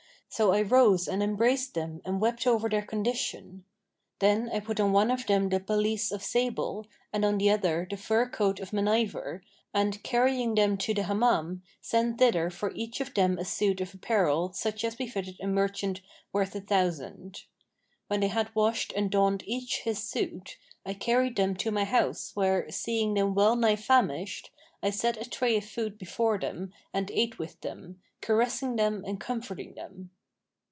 So I rose and embraced them and wept over their condition: then I put on one of them the pelisse of sable and on the other the fur coat of meniver and, carrying them to the Hammam, sent thither for each of them a suit of apparel such as befitted a merchant worth a thousand.[FN#494] When they had washed and donned each his suit, I carried them to my house where, seeing them well nigh famished, I set a tray of food before them and ate with them, caressing them and comforting them."